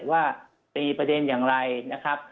ว่าตีประเด็นอย่างไรนะครับ